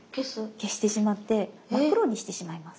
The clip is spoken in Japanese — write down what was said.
消してしまって真っ黒にしてしまいます。